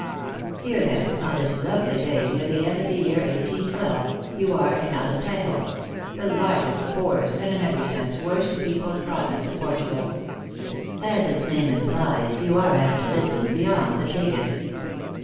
Here, then, on this lovely day, near the end of the year 1812, you are in Alemtejo the largest, poorest, and, in every sense, worst peopled province of Portu gal. As its name implies, you are, as to Lisbon, beyond the Tagns.